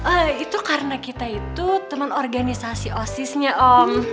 ee itu karena kita itu temen organisasi osisnya om